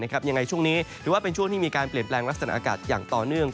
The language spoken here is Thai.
ยังไงช่วงนี้ถือว่าเป็นช่วงที่มีการเปลี่ยนแปลงลักษณะอากาศอย่างต่อเนื่อง